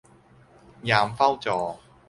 ยามเฝ้าจอ